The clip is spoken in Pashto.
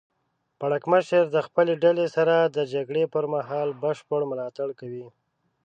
پړکمشر د خپلې ډلې سره د جګړې پر مهال بشپړ ملاتړ کوي.